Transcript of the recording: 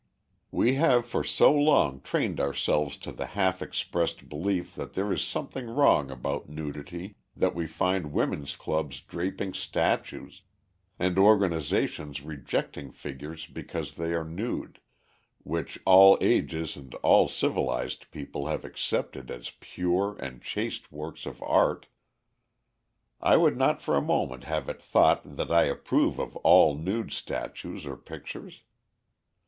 We have for so long trained ourselves to the half expressed belief that there is something wrong about nudity that we find women's clubs draping statues, and organizations rejecting figures because they are nude, which all ages and all civilized peoples have accepted as pure and chaste works of art. I would not for a moment have it thought that I approve of all nude statues or pictures.